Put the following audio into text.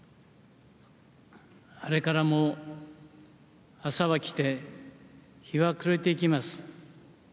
あれからも、朝が来て日が暮れていきます。